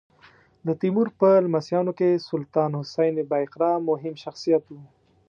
د تیمور په لمسیانو کې سلطان حسین بایقرا مهم شخصیت و.